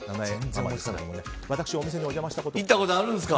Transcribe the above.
私、お店にお邪魔したことあります。